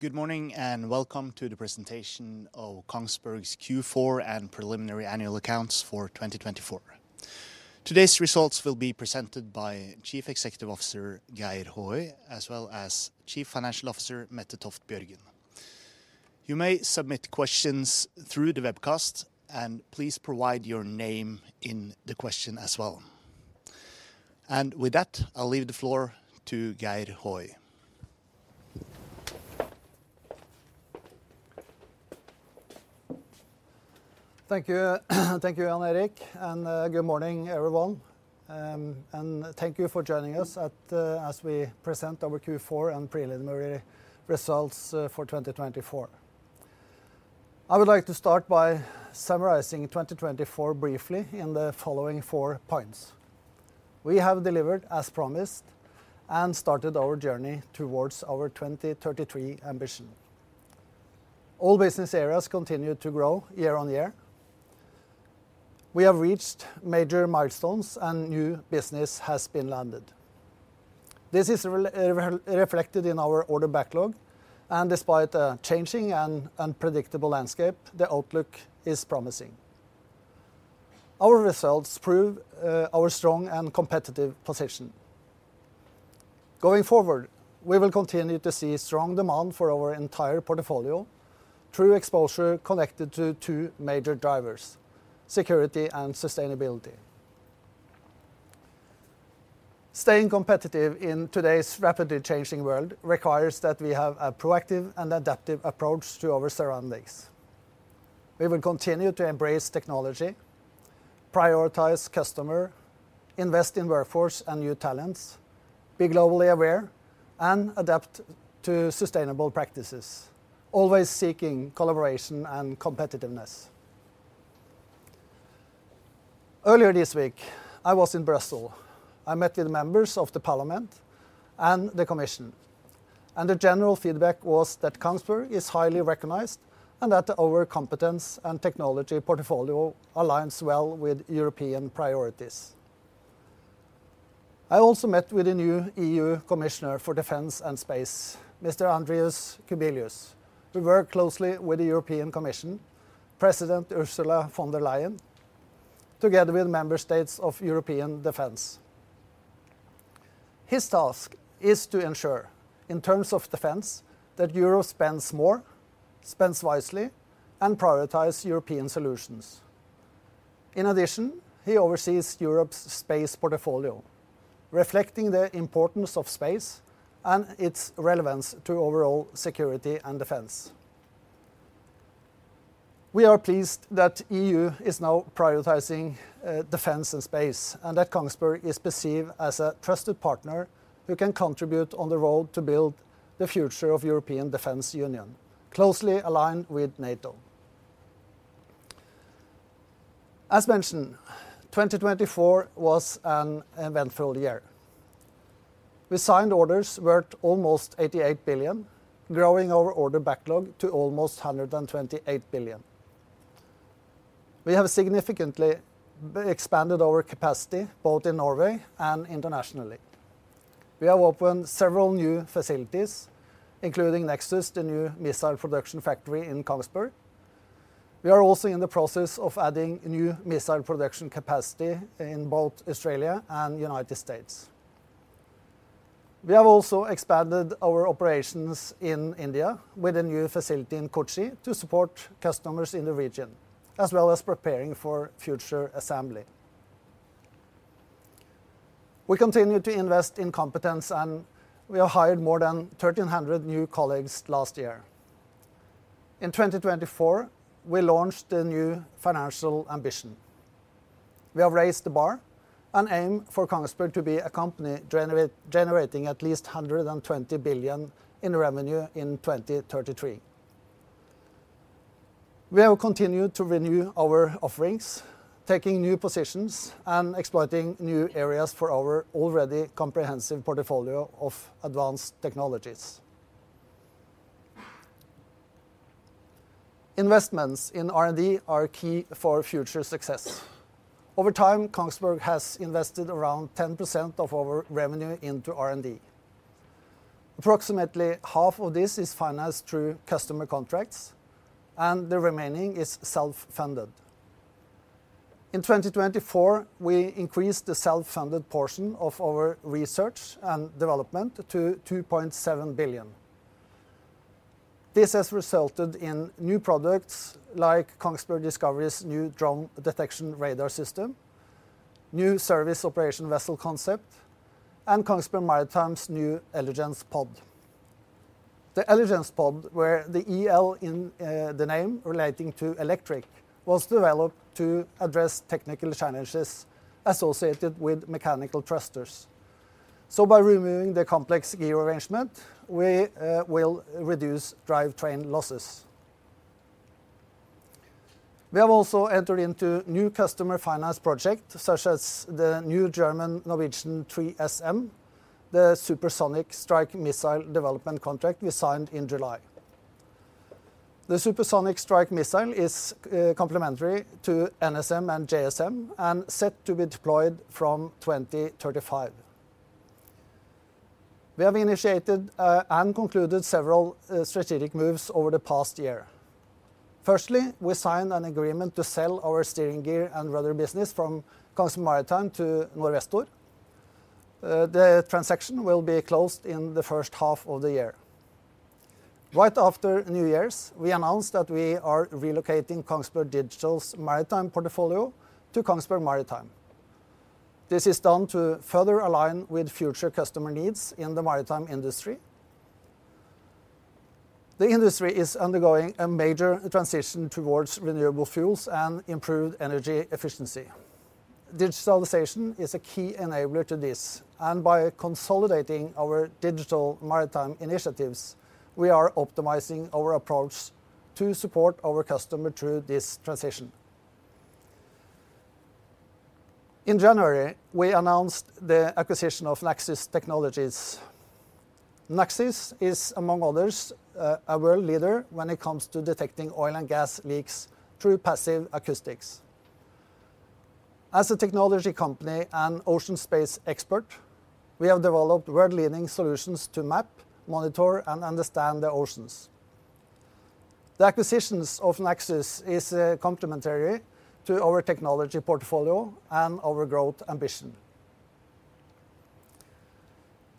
Good morning and welcome to the presentation of Kongsberg's Q4 and preliminary annual accounts for 2024. Today's results will be presented by Chief Executive Officer Geir Håøy, as well as Chief Financial Officer Mette Toft Bjørgen. You may submit questions through the webcast, and please provide your name in the question as well. And with that, I'll leave the floor to Geir Håøy. Thank you, Jan Erik, and good morning, everyone, and thank you for joining us as we present our Q4 and preliminary results for 2024. I would like to start by summarizing 2024 briefly in the following four points. We have delivered as promised and started our journey towards our 2033 ambition. All business areas continue to grow year on year. We have reached major milestones, and new business has been landed. This is reflected in our order backlog, and despite a changing and unpredictable landscape, the outlook is promising. Our results prove our strong and competitive position. Going forward, we will continue to see strong demand for our entire portfolio through exposure connected to two major drivers: security and sustainability. Staying competitive in today's rapidly changing world requires that we have a proactive and adaptive approach to our surroundings. We will continue to embrace technology, prioritize customers, invest in workforce and new talents, be globally aware, and adapt to sustainable practices, always seeking collaboration and competitiveness. Earlier this week, I was in Brussels. I met with members of the Parliament and the Commission, and the general feedback was that Kongsberg is highly recognized and that our competence and technology portfolio aligns well with European priorities. I also met with the new EU Commissioner for Defense and Space, Mr. Andrius Kubilius. We work closely with the European Commission, President Ursula von der Leyen, together with the member states of European Defense. His task is to ensure, in terms of defense, that Europe spends more, spends wisely, and prioritizes European solutions. In addition, he oversees Europe's space portfolio, reflecting the importance of space and its relevance to overall security and defense. We are pleased that the EU is now prioritizing defense and space, and that Kongsberg is perceived as a trusted partner who can contribute on the road to build the future of the European Defence Union, closely aligned with NATO. As mentioned, 2024 was an eventful year. We signed orders worth almost 88 billion, growing our order backlog to almost 128 billion. We have significantly expanded our capacity both in Norway and internationally. We have opened several new facilities, including next to the new missile production factory in Kongsberg. We are also in the process of adding new missile production capacity in both Australia and the United States. We have also expanded our operations in India with a new facility in Kochi to support customers in the region, as well as preparing for future assembly. We continue to invest in competence, and we have hired more than 1,300 new colleagues last year. In 2024, we launched the new financial ambition. We have raised the bar and aim for Kongsberg to be a company generating at least 120 billion in revenue in 2033. We have continued to renew our offerings, taking new positions and exploiting new areas for our already comprehensive portfolio of advanced technologies. Investments in R&D are key for future success. Over time, Kongsberg has invested around 10% of our revenue into R&D. Approximately half of this is financed through customer contracts, and the remaining is self-funded. In 2024, we increased the self-funded portion of our research and development to 2.7 billion. This has resulted in new products like Kongsberg Discovery's new drone detection radar system, new service operation vessel concept, and Kongsberg Maritime's new ELegance Pod. The ELegance Pod, where the EL in the name relating to electric, was developed to address technical challenges associated with mechanical thrusters. So, by removing the complex gear arrangement, we will reduce drivetrain losses. We have also entered into new customer finance projects, such as the new German Norwegian 3SM, the supersonic strike missile development contract we signed in July. The supersonic strike missile is complementary to NSM and JSM and set to be deployed from 2035. We have initiated and concluded several strategic moves over the past year. Firstly, we signed an agreement to sell our steering gear and rudder business from Kongsberg Maritime to Norvestor. The transaction will be closed in the first half of the year. Right after New Year's, we announced that we are relocating Kongsberg Digital's maritime portfolio to Kongsberg Maritime. This is done to further align with future customer needs in the maritime industry. The industry is undergoing a major transition towards renewable fuels and improved energy efficiency. Digitalization is a key enabler to this, and by consolidating our digital maritime initiatives, we are optimizing our approach to support our customer through this transition. In January, we announced the acquisition of Naxys Technologies. Naxys is, among others, a world leader when it comes to detecting oil and gas leaks through passive acoustics. As a technology company and ocean space expert, we have developed world-leading solutions to map, monitor, and understand the oceans. The acquisitions of Naxys are complementary to our technology portfolio and our growth ambition.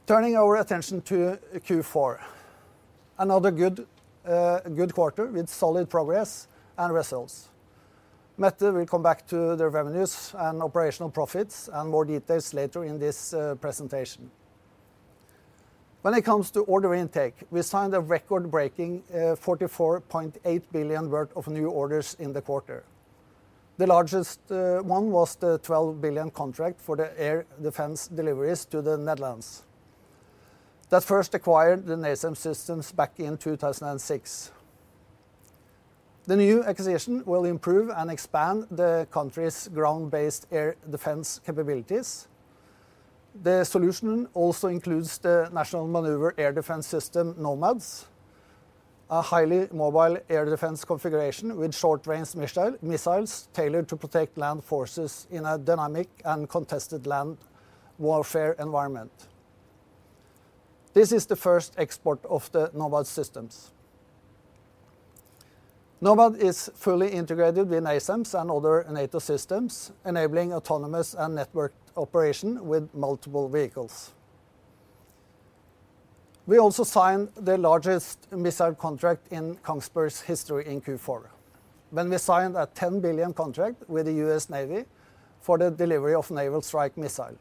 Turning our attention to Q4, another good quarter with solid progress and results. Mette will come back to the revenues and operational profits and more details later in this presentation. When it comes to order intake, we signed a record-breaking 44.8 billion worth of new orders in the quarter. The largest one was the 12 billion contract for the air defense deliveries to the Netherlands that first acquired the NASAMS systems back in 2006. The new acquisition will improve and expand the country's ground-based air defense capabilities. The solution also includes the National Manoeuvre Air Defence System NOMADs, a highly mobile air defense configuration with short-range missiles tailored to protect land forces in a dynamic and contested land warfare environment. This is the first export of the NOMAD systems. NOMAD is fully integrated with NASAMS and other NATO systems, enabling autonomous and networked operation with multiple vehicles. We also signed the largest missile contract in Kongsberg's history in Q4 when we signed a 10 billion contract with the U.S. Navy for the delivery of a naval strike missile.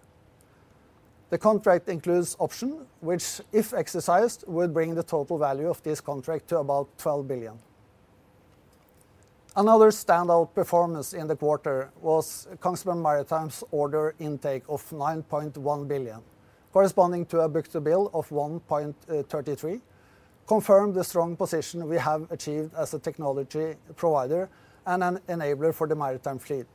The contract includes an option which, if exercised, would bring the total value of this contract to about 12 billion. Another standout performance in the quarter was Kongsberg Maritime's order intake of 9.1 billion, corresponding to a book to bill of 1.33 billion, confirming the strong position we have achieved as a technology provider and an enabler for the maritime fleet.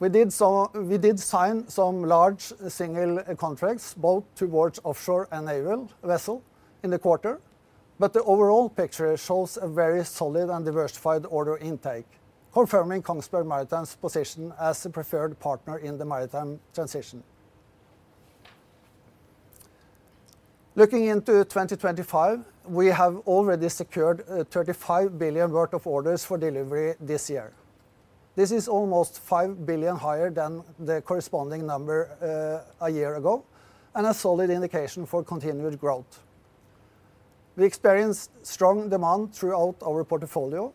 We did sign some large single contracts both towards offshore and naval vessels in the quarter, but the overall picture shows a very solid and diversified order intake, confirming Kongsberg Maritime's position as a preferred partner in the maritime transition. Looking into 2025, we have already secured 35 billion worth of orders for delivery this year. This is almost 5 billion higher than the corresponding number a year ago and a solid indication for continued growth. We experienced strong demand throughout our portfolio.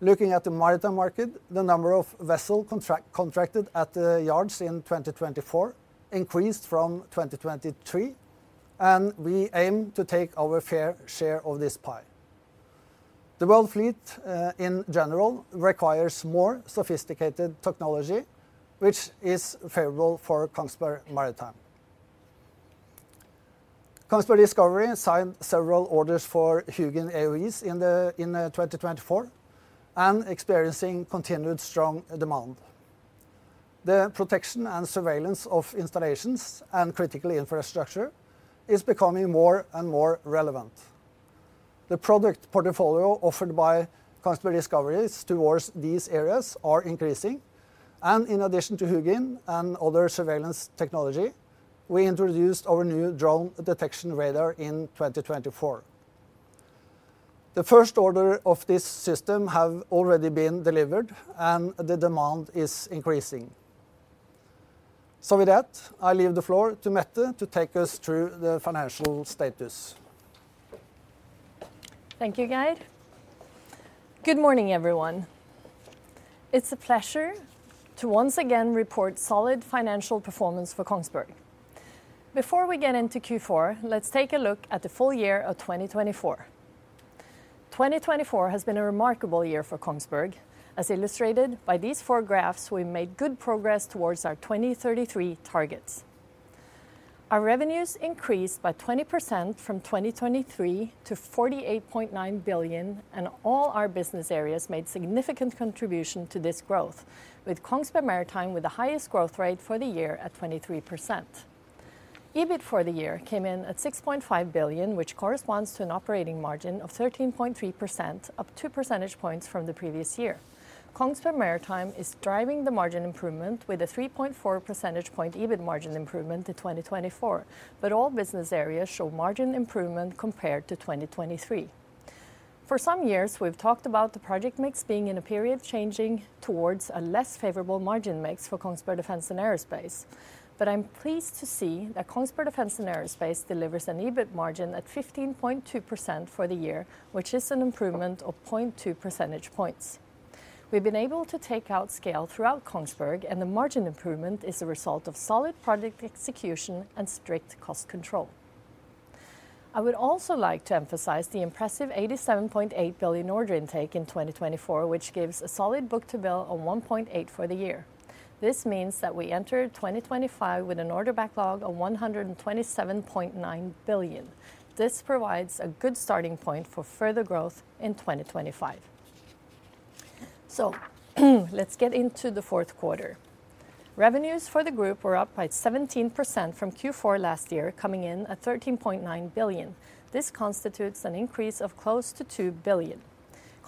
Looking at the maritime market, the number of vessels contracted at the yards in 2024 increased from 2023, and we aim to take our fair share of this pie. The world fleet, in general, requires more sophisticated technology, which is favorable for Kongsberg Maritime. Kongsberg Discovery signed several orders for HUGIN AUVs in 2024 and is experiencing continued strong demand. The protection and surveillance of installations and critical infrastructure is becoming more and more relevant. The product portfolio offered by Kongsberg Discovery towards these areas is increasing, and in addition to HUGIN and other surveillance technology, we introduced our new drone detection radar in 2024. The first orders of this system have already been delivered, and the demand is increasing. So with that, I leave the floor to Mette to take us through the financial status. Thank you, Geir. Good morning, everyone. It's a pleasure to once again report solid financial performance for Kongsberg. Before we get into Q4, let's take a look at the full year of 2024. 2024 has been a remarkable year for Kongsberg, as illustrated by these four graphs. We made good progress towards our 2033 targets. Our revenues increased by 20% from 2023 to 48.9 billion, and all our business areas made significant contributions to this growth, with Kongsberg Maritime with the highest growth rate for the year at 23%. EBIT for the year came in at 6.5 billion, which corresponds to an operating margin of 13.3%, up 2 percentage points from the previous year. Kongsberg Maritime is driving the margin improvement with a 3.4 percentage point EBIT margin improvement in 2024, but all business areas show margin improvement compared to 2023. For some years, we've talked about the project mix being in a period changing towards a less favorable margin mix for Kongsberg Defence & Aerospace, but I'm pleased to see that Kongsberg Defence & Aerospace delivers an EBIT margin at 15.2% for the year, which is an improvement of 0.2 percentage points. We've been able to take out scale throughout Kongsberg, and the margin improvement is a result of solid project execution and strict cost control. I would also like to emphasize the impressive 87.8 billion order intake in 2024, which gives a solid book to bill of 1.8 for the year. This means that we entered 2025 with an order backlog of 127.9 billion. This provides a good starting point for further growth in 2025. So let's get into the fourth quarter. Revenues for the group were up by 17% from Q4 last year, coming in at 13.9 billion. This constitutes an increase of close to 2 billion.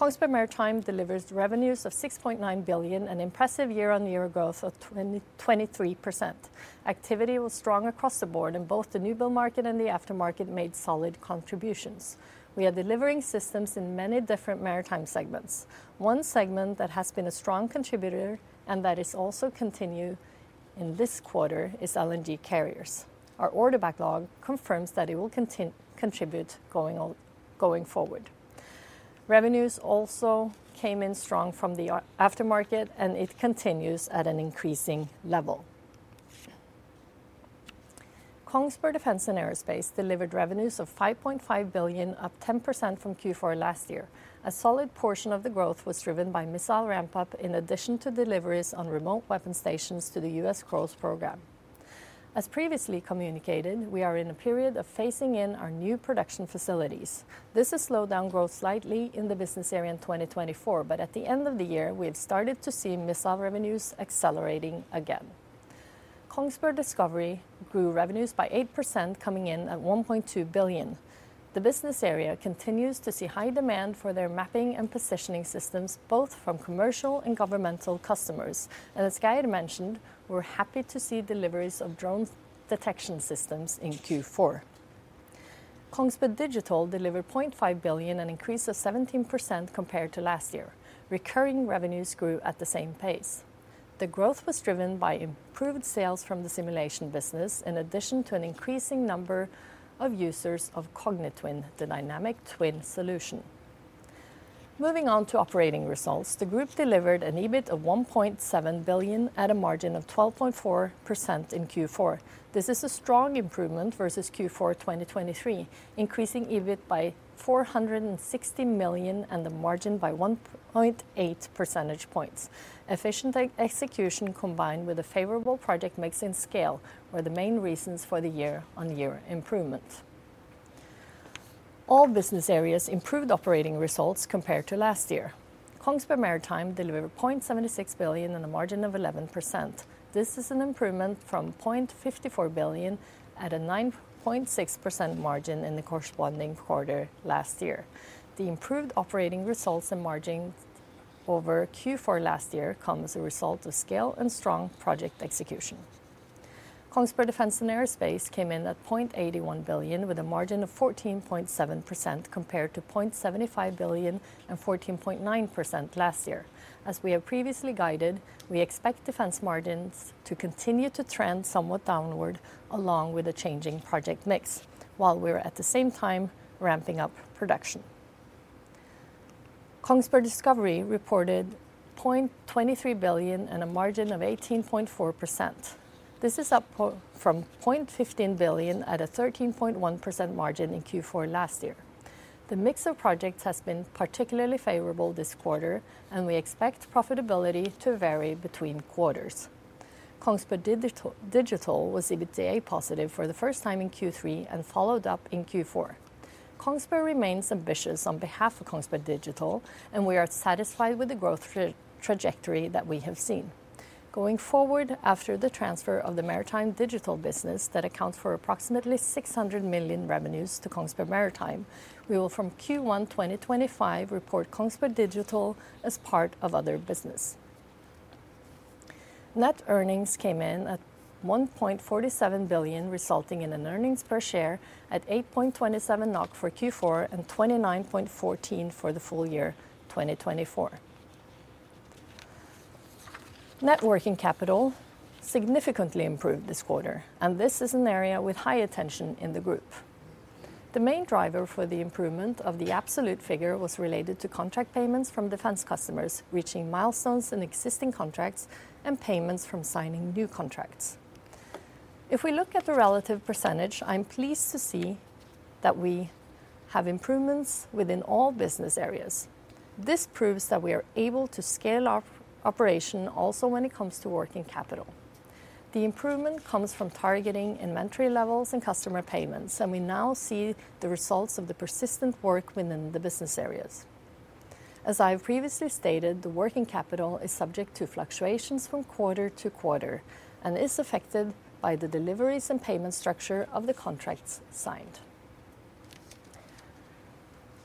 Kongsberg Maritime delivers revenues of 6.9 billion, an impressive year-on-year growth of 23%. Activity was strong across the board, and both the newbuild market and the aftermarket made solid contributions. We are delivering systems in many different maritime segments. One segment that has been a strong contributor and that is also continuing in this quarter is LNG carriers. Our order backlog confirms that it will continue to contribute going forward. Revenues also came in strong from the aftermarket, and it continues at an increasing level. Kongsberg Defence & Aerospace delivered revenues of 5.5 billion, up 10% from Q4 last year. A solid portion of the growth was driven by missile ramp-up in addition to deliveries on remote weapon stations to the U.S. CROWS program. As previously communicated, we are in a period of phasing in our new production facilities. This has slowed down growth slightly in the business area in 2024, but at the end of the year, we have started to see missile revenues accelerating again. Kongsberg Discovery grew revenues by 8%, coming in at 1.2 billion. The business area continues to see high demand for their mapping and positioning systems, both from commercial and governmental customers, and as Geir mentioned, we're happy to see deliveries of drone detection systems in Q4. Kongsberg Digital delivered 0.5 billion, an increase of 17% compared to last year. Recurring revenues grew at the same pace. The growth was driven by improved sales from the simulation business, in addition to an increasing number of users of Kognitwin, the dynamic twin solution. Moving on to operating results, the group delivered an EBIT of 1.7 billion at a margin of 12.4% in Q4. This is a strong improvement versus Q4 2023, increasing EBIT by 460 million and the margin by 1.8 percentage points. Efficient execution combined with a favorable project mix in scale were the main reasons for the year-on-year improvement. All business areas improved operating results compared to last year. Kongsberg Maritime delivered 0.76 billion and a margin of 11%. This is an improvement from 0.54 billion at a 9.6% margin in the corresponding quarter last year. The improved operating results and margin over Q4 last year come as a result of scale and strong project execution. Kongsberg Defense & Aerospace came in at 0.81 billion with a margin of 14.7% compared to 0.75 billion and 14.9% last year. As we have previously guided, we expect defense margins to continue to trend somewhat downward along with a changing project mix, while we are at the same time ramping up production. Kongsberg Discovery reported 0.23 billion and a margin of 18.4%. This is up from 0.15 billion at a 13.1% margin in Q4 last year. The mix of projects has been particularly favorable this quarter, and we expect profitability to vary between quarters. Kongsberg Digital was EBITDA positive for the first time in Q3 and followed up in Q4. Kongsberg remains ambitious on behalf of Kongsberg Digital, and we are satisfied with the growth trajectory that we have seen. Going forward, after the transfer of the maritime digital business that accounts for approximately 600 million revenues to Kongsberg Maritime, we will, from Q1 2025, report Kongsberg Digital as part of other business. Net earnings came in at 1.47 billion, resulting in an earnings per share at 8.27 NOK for Q4 and 29.14 for the full year 2024. Working capital significantly improved this quarter, and this is an area with high attention in the group. The main driver for the improvement of the absolute figure was related to contract payments from defense customers reaching milestones in existing contracts and payments from signing new contracts. If we look at the relative percentage, I'm pleased to see that we have improvements within all business areas. This proves that we are able to scale our operation also when it comes to working capital. The improvement comes from targeting inventory levels and customer payments, and we now see the results of the persistent work within the business areas. As I have previously stated, the working capital is subject to fluctuations from quarter to quarter and is affected by the deliveries and payment structure of the contracts signed.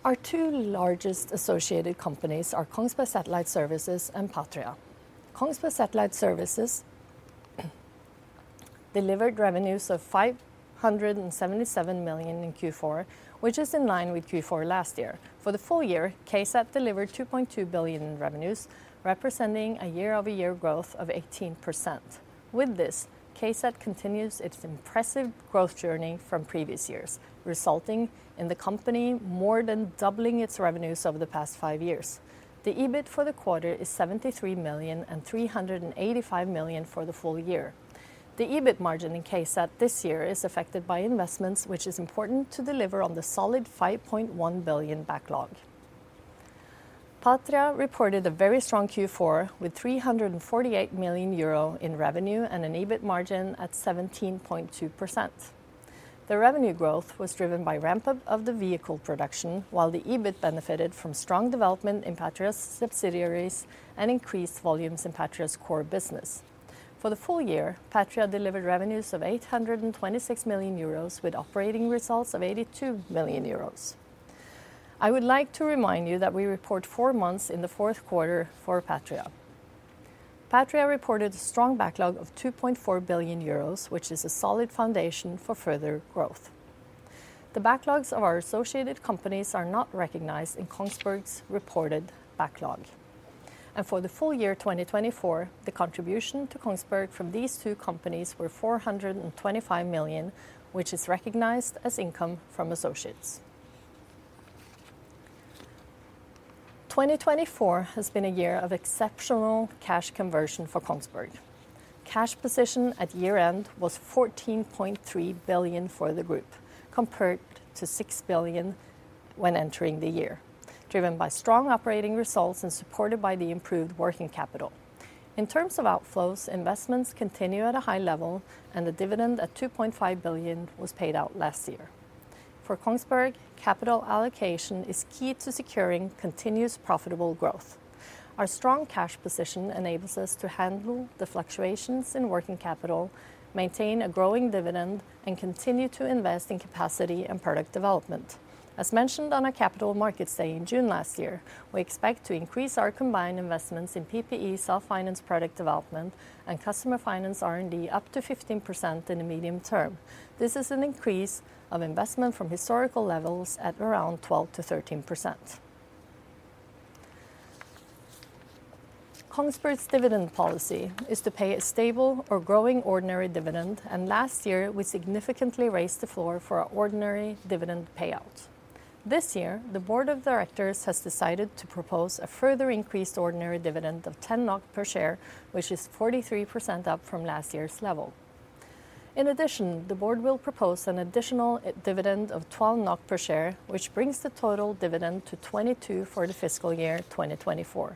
Our two largest associated companies are Kongsberg Satellite Services and Patria. Kongsberg Satellite Services delivered revenues of 577 million in Q4, which is in line with Q4 last year. For the full year, KSAT delivered 2.2 billion in revenues, representing a year-over-year growth of 18%. With this, KSAT continues its impressive growth journey from previous years, resulting in the company more than doubling its revenues over the past five years. The EBIT for the quarter is 73 million and 385 million for the full year. The EBIT margin in KSAT this year is affected by investments, which is important to deliver on the solid 5.1 billion backlog. Patria reported a very strong Q4 with 348 million euro in revenue and an EBIT margin at 17.2%. The revenue growth was driven by ramp-up of the vehicle production, while the EBIT benefited from strong development in Patria's subsidiaries and increased volumes in Patria's core business. For the full year, Patria delivered revenues of 826 million euros with operating results of 82 million euros. I would like to remind you that we report four months in the fourth quarter for Patria. Patria reported a strong backlog of 2.4 billion euros, which is a solid foundation for further growth. The backlogs of our associated companies are not recognized in Kongsberg's reported backlog, and for the full year 2024, the contribution to Kongsberg from these two companies was 425 million, which is recognized as income from associates. 2024 has been a year of exceptional cash conversion for Kongsberg. Cash position at year-end was 14.3 billion for the group, compared to 6 billion when entering the year, driven by strong operating results and supported by the improved working capital. In terms of outflows, investments continue at a high level, and the dividend at 2.5 billion was paid out last year. For Kongsberg, capital allocation is key to securing continuous profitable growth. Our strong cash position enables us to handle the fluctuations in working capital, maintain a growing dividend, and continue to invest in capacity and product development. As mentioned on our capital markets day in June last year, we expect to increase our combined investments in PPE, self-finance product development, and customer finance R&D up to 15% in the medium term. This is an increase of investment from historical levels at around 12%-13%. Kongsberg's dividend policy is to pay a stable or growing ordinary dividend, and last year, we significantly raised the floor for our ordinary dividend payout. This year, the board of directors has decided to propose a further increased ordinary dividend of 10 per share, which is 43% up from last year's level. In addition, the board will propose an additional dividend of 12 NOK per share, which brings the total dividend to 22 for the fiscal year 2024.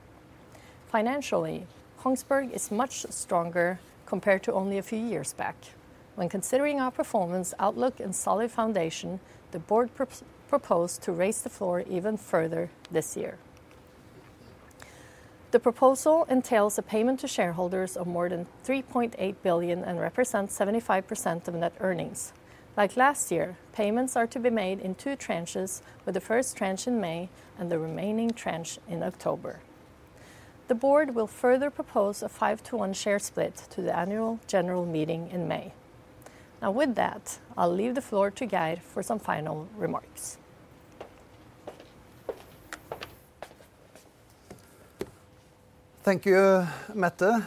Financially, Kongsberg is much stronger compared to only a few years back. When considering our performance, outlook, and solid foundation, the board proposed to raise the floor even further this year. The proposal entails a payment to shareholders of more than 3.8 billion and represents 75% of net earnings. Like last year, payments are to be made in two tranches, with the first tranche in May and the remaining tranche in October. The board will further propose a 5-to-1 share split to the annual general meeting in May. Now, with that, I'll leave the floor to Geir for some final remarks. Thank you, Mette.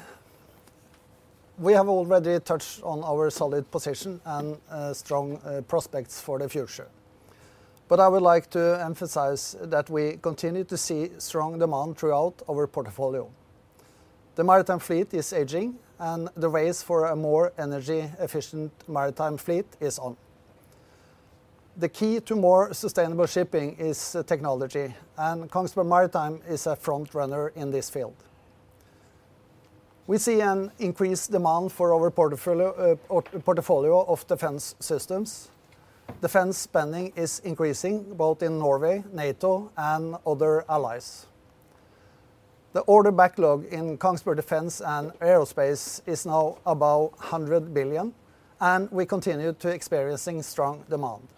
We have already touched on our solid position and strong prospects for the future, but I would like to emphasize that we continue to see strong demand throughout our portfolio. The maritime fleet is aging, and the race for a more energy-efficient maritime fleet is on. The key to more sustainable shipping is technology, and Kongsberg Maritime is a front-runner in this field. We see an increased demand for our portfolio of defense systems. Defense spending is increasing both in Norway, NATO, and other allies. The order backlog in Kongsberg Defense & Aerospace is now about 100 billion, and we continue to experience strong demand.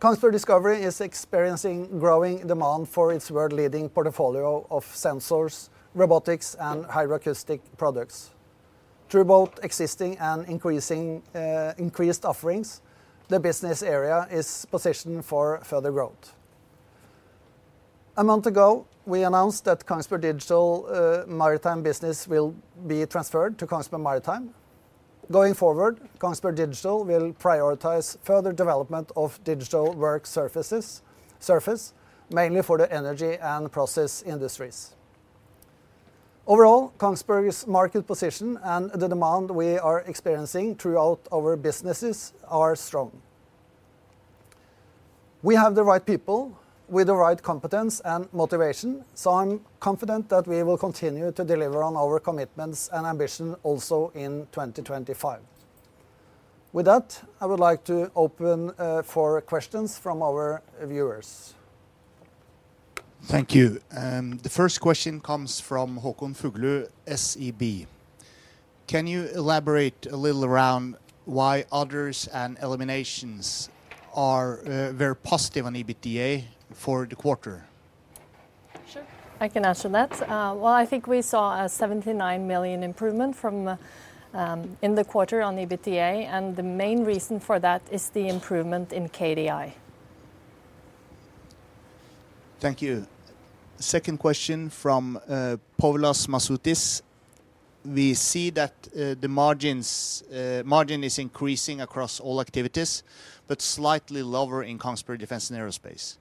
Kongsberg Discovery is experiencing growing demand for its world-leading portfolio of sensors, robotics, and hydroacoustic products. Through both existing and increasing offerings, the business area is positioned for further growth. A month ago, we announced that Kongsberg Digital maritime business will be transferred to Kongsberg Maritime. Going forward, Kongsberg Digital will prioritize further development of digital work surfaces, mainly for the energy and process industries. Overall, Kongsberg's market position and the demand we are experiencing throughout our businesses are strong. We have the right people with the right competence and motivation, so I'm confident that we will continue to deliver on our commitments and ambition also in 2025. With that, I would like to open for questions from our viewers. Thank you. The first question comes from Håkon Fuglu, SEB. Can you elaborate a little around why others and eliminations are very positive on EBITDA for the quarter? Sure, I can answer that. I think we saw a 79 million improvement in the quarter on EBITDA, and the main reason for that is the improvement in KDI. Thank you. Second question from Povilas Mantautas. We see that the margin is increasing across all activities, but slightly lower in Kongsberg Defense & Aerospace.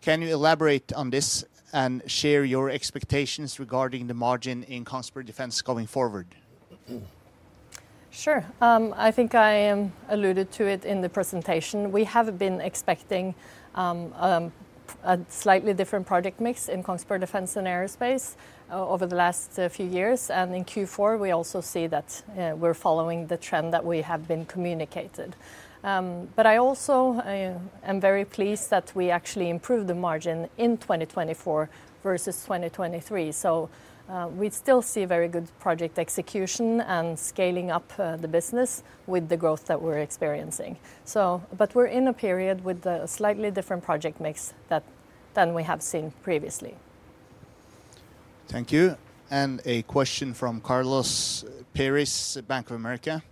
Can you elaborate on this and share your expectations regarding the margin in Kongsberg Defense going forward? Sure. I think I alluded to it in the presentation. We have been expecting a slightly different project mix in Kongsberg Defense & Aerospace over the last few years, and in Q4, we also see that we're following the trend that we have been communicated. But I also am very pleased that we actually improved the margin in 2024 versus 2023, so we still see very good project execution and scaling up the business with the growth that we're experiencing. But we're in a period with a slightly different project mix than we have seen previously. Thank you. And a question from Carlos Peris, Bank of America.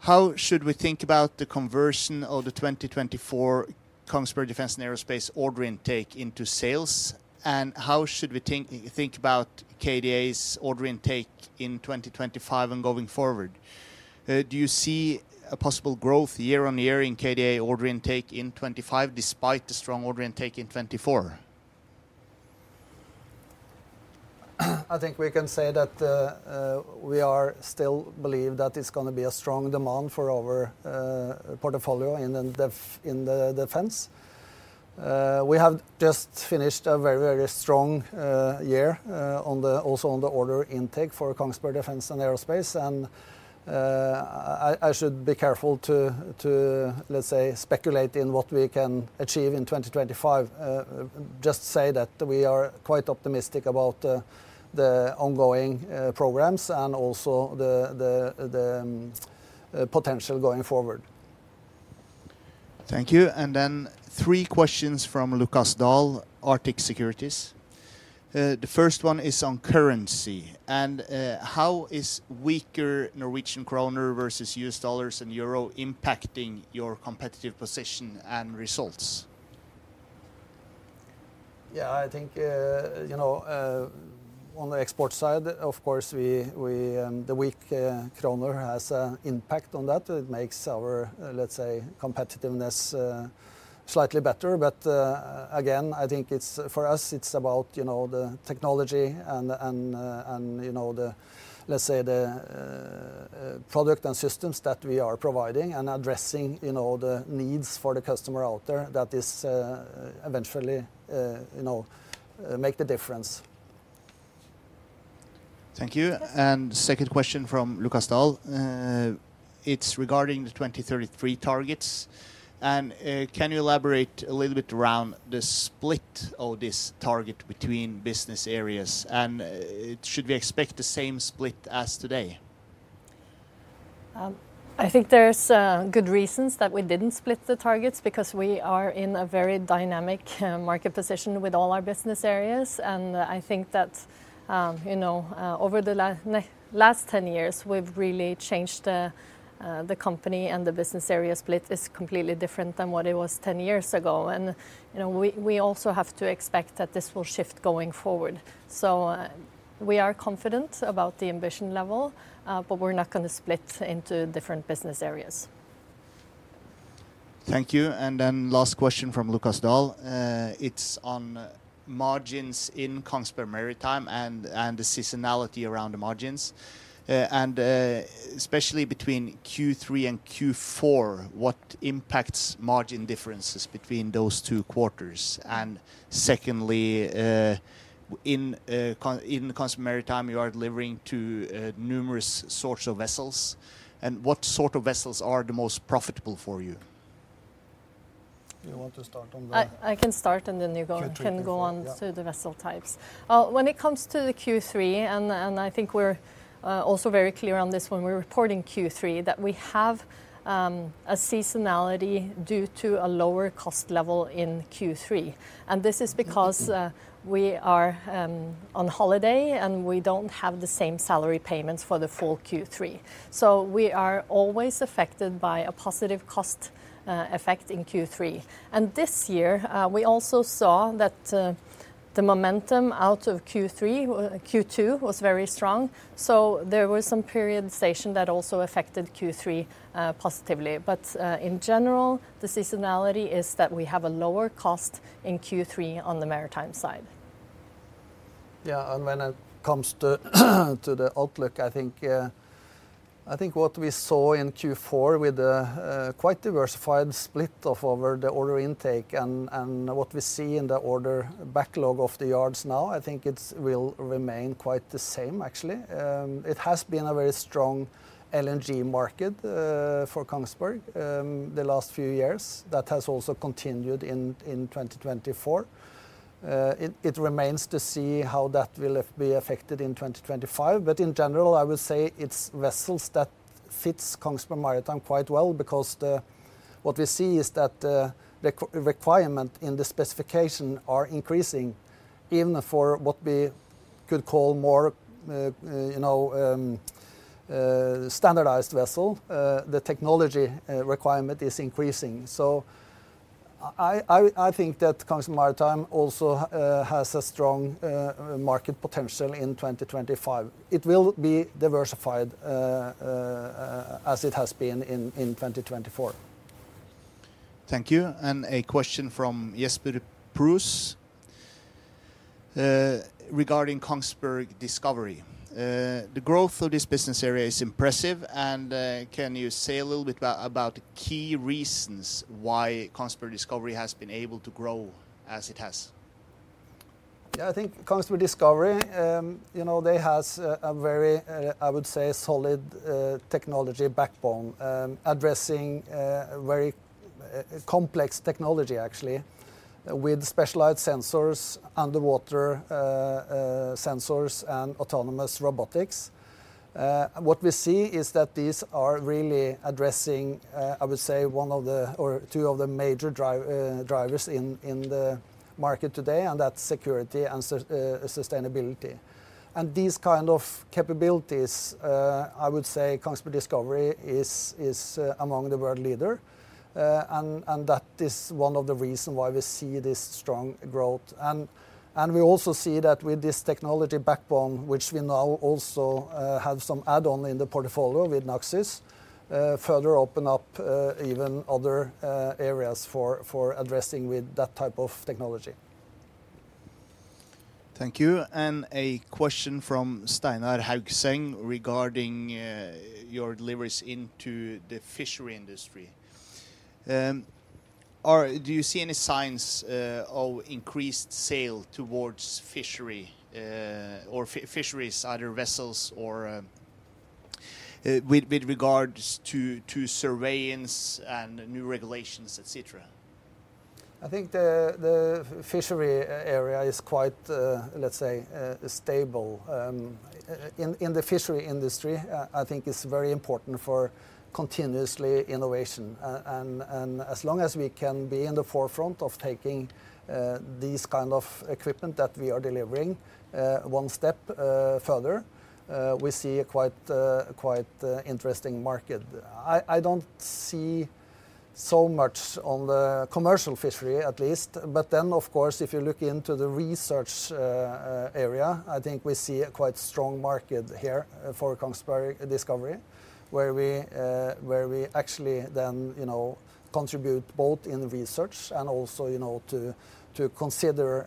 How should we think about the conversion of the 2024 Kongsberg Defence & Aerospace order intake into sales, and how should we think about KDA's order intake in 2025 and going forward? Do you see a possible growth year-on-year in KDA order intake in 2025 despite the strong order intake in 2024? I think we can say that we still believe that it's going to be a strong demand for our portfolio in the defense. We have just finished a very, very strong year also on the order intake for Kongsberg Defence & Aerospace, and I should be careful to, let's say, speculate in what we can achieve in 2025. Just say that we are quite optimistic about the ongoing programs and also the potential going forward. Thank you. And then three questions from Lukas Daul, Arctic Securities. The first one is on currency. And how is weaker Norwegian kroner versus US dollars and euro impacting your competitive position and results? Yeah, I think on the export side, of course, the weak kroner has an impact on that. It makes our, let's say, competitiveness slightly better. But again, I think for us, it's about the technology and, let's say, the product and systems that we are providing and addressing the needs for the customer out there that eventually make the difference. Thank you. And second question from Lukas Daul. It's regarding the 2033 targets. And can you elaborate a little bit around the split of this target between business areas, and should we expect the same split as today? I think there's good reasons that we didn't split the targets because we are in a very dynamic market position with all our business areas. And I think that over the last 10 years, we've really changed the company and the business area split is completely different than what it was 10 years ago. And we also have to expect that this will shift going forward. So we are confident about the ambition level, but we're not going to split into different business areas. Thank you. And then last question from Lukas Daul. It's on margins in Kongsberg Maritime and the seasonality around the margins. And especially between Q3 and Q4, what impacts margin differences between those two quarters? And secondly, in Kongsberg Maritime, you are delivering to numerous sorts of vessels. And what sort of vessels are the most profitable for you? Do you want to start on that? I can start, and then you can go on to the vessel types. When it comes to the Q3, and I think we're also very clear on this when we're reporting Q3, that we have a seasonality due to a lower cost level in Q3, and this is because we are on holiday, and we don't have the same salary payments for the full Q3, so we are always affected by a positive cost effect in Q3, and this year, we also saw that the momentum out of Q2 was very strong, so there was some periodization that also affected Q3 positively, but in general, the seasonality is that we have a lower cost in Q3 on the maritime side. Yeah, and when it comes to the outlook, I think what we saw in Q4 with a quite diversified split of our order intake and what we see in the order backlog of the yards now, I think it will remain quite the same, actually. It has been a very strong LNG market for Kongsberg the last few years. That has also continued in 2024. It remains to see how that will be affected in 2025. But in general, I would say it's vessels that fit Kongsberg Maritime quite well because what we see is that the requirement in the specification is increasing even for what we could call more standardized vessels. The technology requirement is increasing. So I think that Kongsberg Maritime also has a strong market potential in 2025. It will be diversified as it has been in 2024. Thank you. A question from Jesper Bruus regarding Kongsberg Discovery. The growth of this business area is impressive. Can you say a little bit about the key reasons why Kongsberg Discovery has been able to grow as it has? Yeah, I think Kongsberg Discovery, they have a very, I would say, solid technology backbone addressing very complex technology, actually, with specialized sensors, underwater sensors, and autonomous robotics. What we see is that these are really addressing, I would say, one of the or two of the major drivers in the market today, and that's security and sustainability. These kinds of capabilities, I would say, Kongsberg Discovery is among the world leaders. That is one of the reasons why we see this strong growth. And we also see that with this technology backbone, which we now also have some add-ons in the portfolio with Naxys, further open up even other areas for addressing with that type of technology. Thank you. A question from Steinar Haugseng regarding your deliveries into the fishery industry. Do you see any signs of increased sale towards fishery or fisheries, either vessels or with regards to surveillance and new regulations, etc.? I think the fishery area is quite, let's say, stable. In the fishery industry, I think it's very important for continuous innovation. And as long as we can be in the forefront of taking these kinds of equipment that we are delivering one step further, we see a quite interesting market. I don't see so much on the commercial fishery, at least. But then, of course, if you look into the research area, I think we see a quite strong market here for Kongsberg Discovery, where we actually then contribute both in research and also to consider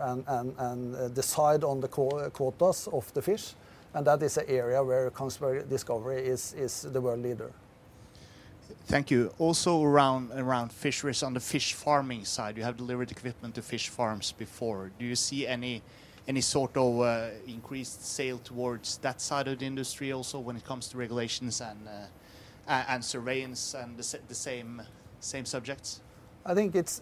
and decide on the quotas of the fish. And that is an area where Kongsberg Discovery is the world leader. Thank you. Also around fisheries on the fish farming side, you have delivered equipment to fish farms before. Do you see any sort of increased sale towards that side of the industry also when it comes to regulations and surveillance and the same subjects? I think it's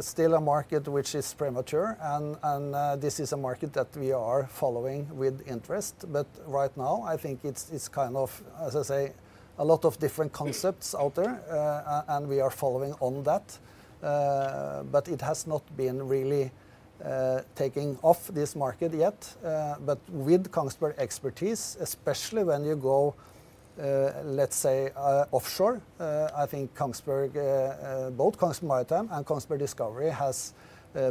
still a market which is premature. And this is a market that we are following with interest. But right now, I think it's kind of, as I say, a lot of different concepts out there, and we are following on that. But it has not been really taking off this market yet. But with Kongsberg expertise, especially when you go, let's say, offshore, I think both Kongsberg Maritime and Kongsberg Discovery have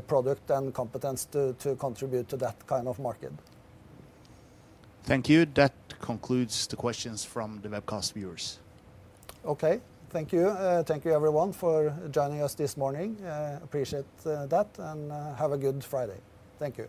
products and competence to contribute to that kind of market. Thank you. That concludes the questions from the webcast viewers. Okay, thank you. Thank you, everyone, for joining us this morning. Appreciate that, and have a good Friday. Thank you.